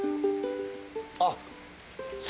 あっ。